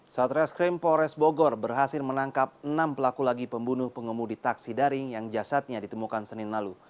satreskrim polres bogor berhasil menangkap enam pelaku lagi pembunuh pengemudi taksi daring yang jasadnya ditemukan senin lalu